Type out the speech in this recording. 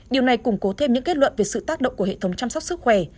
điều này củng cố thêm những kết luận về sự tác động của hệ thống chăm sóc sức khỏe